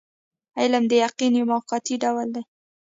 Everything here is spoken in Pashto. علم د یقین یو موقتي ډول دی.